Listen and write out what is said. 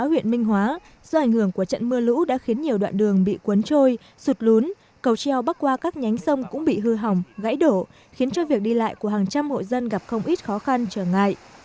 huyện minh hóa do ảnh hưởng của trận mưa lũ đã khiến nhiều đoạn đường bị cuốn trôi sụt lún cầu treo bắc qua các nhánh sông cũng bị hư hỏng gãy đổ khiến cho việc đi lại của hàng trăm hộ dân gặp không ít khó khăn trở ngại